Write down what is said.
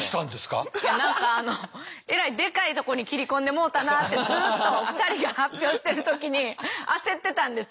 いや何かあのえらいでかいとこに切り込んでもうたなってずっと２人が発表してる時に焦ってたんですよ。